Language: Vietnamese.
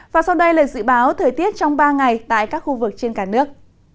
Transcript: và sau đây là dự báo thời tiết trong ba ngày tại các khu vực trên cả nước